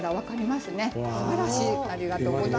すばらしい。